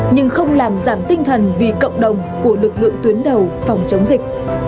nhưng không làm giảm tinh thần vì cộng đồng của lực lượng tuyến đầu phòng chống dịch